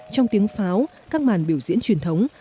trong tiếng pháo các màn biểu diễn truyền thống